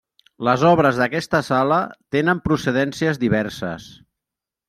Les obres d'aquesta sala tenen procedències diverses.